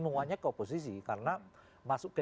semuanya ke oposisi karena masuk ke